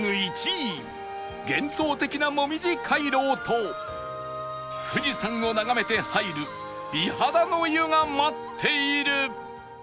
１位幻想的なもみじ回廊と富士山を眺めて入る美肌の湯が待っている